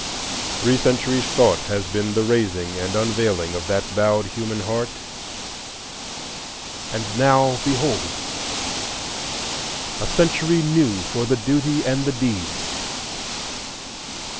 Three centuries' thought has been the raising and unveiling of that bowed human heart, and now behold a century new for the duty and the deed.